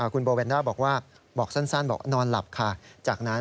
คุณโบแวนด้าบอกว่าบอกสั้นบอกนอนหลับค่ะจากนั้น